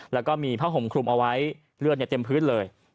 แล้วก็มีผ้าห่มคลุมเอาไว้เลือดเต็มพื้นเลย